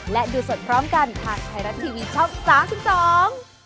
และดูสดพร้อมกันทางไทยรัฐทีวีช่อง๓๒